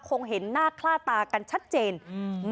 คงเห็นหน้าคล่าตากันชัดเจนอืม